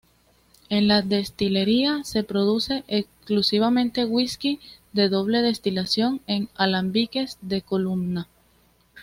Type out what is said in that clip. En la destilería se produce exclusivamente Whisky de doble destilación en alambiques de columna.